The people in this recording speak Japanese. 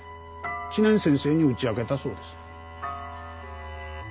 知念先生に打ち明けたそうです。